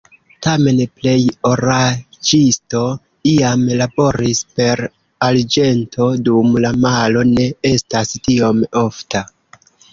Tamen plej oraĵisto iam laboris per arĝento dum la malo ne estas tiom ofta.